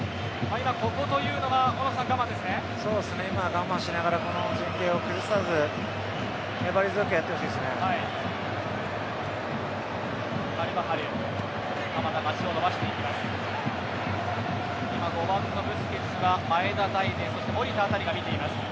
今は我慢しながら、この陣形を崩さず粘り強くやってほしいですね。